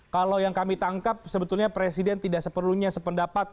kalau yang kami tangkap sebetulnya presiden tidak seperlunya sependapat